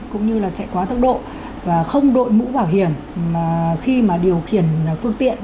cũng như là chạy quá tốc độ và không đội mũ bảo hiểm khi mà điều khiển phương tiện